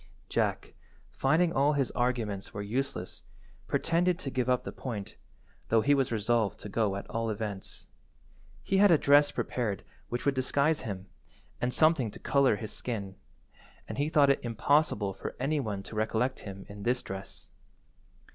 Jack, finding that all his arguments were useless, pretended to give up the point, though he was resolved to go at all events. He had a dress prepared which would disguise him, and something to colour his skin, and he thought it impossible for any one to recollect him in this dress.